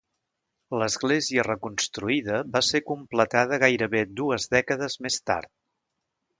L'església reconstruïda va ser completada gairebé dues dècades més tard.